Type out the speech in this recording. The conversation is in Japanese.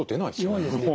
弱いですね。